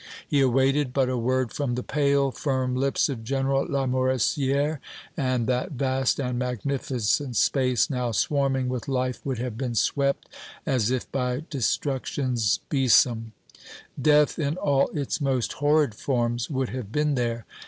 He awaited but a word from the pale, firm lips of General Lamoricière, and that vast and magnificent space now swarming with life would have been swept as if by destruction's besom. Death in all its most horrid forms would have been there.